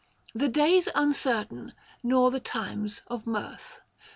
The days uncertain, not the times of mirth.